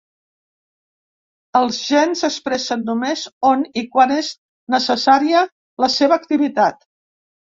Els gens s’expressen només on i quan és necessària la seva activitat.